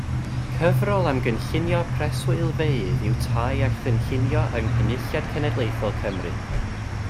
Cyfrol am gynllunio preswylfeydd yw Tai a Chynllunio yng Nghynulliad Cenedlaethol Cymru.